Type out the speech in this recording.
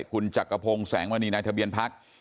คุณจักรพงศ์แสงมณีนายทะเบียนพัก